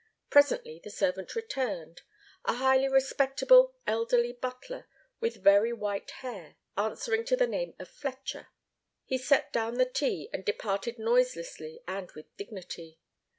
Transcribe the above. Presently the servant returned a highly respectable, elderly butler with very white hair, answering to the name of Fletcher. He set down the tea and departed noiselessly and with dignity.